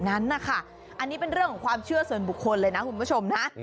อันนี้เป็นเรื่องของความเชื่อส่วนบุคคลเลยนะคุณผู้ชมนะ